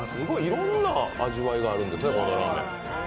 いろんな味わいがあるんですね、このラーメン。